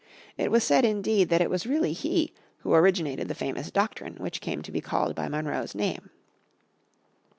It was said, indeed, that it was really he who originated the famous Doctrine which came to be called by Monroe's name.